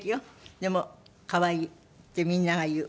でも「可愛い」ってみんなが言う。